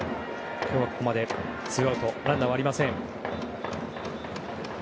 今日はここまでツーアウトランナーありません。